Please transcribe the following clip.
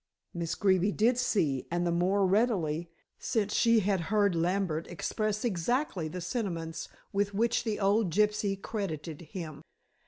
Miss Greeby did see, and the more readily, since she had heard Lambert express exactly the sentiments with which the old gypsy credited him.